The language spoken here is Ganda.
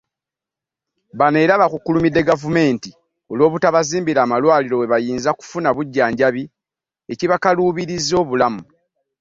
Bano era bakukkulumidde gavumenti olw'obutabazimbira malwaliro we bayinza okufuna obujjanjabi ekibakaluubiriza obulamu.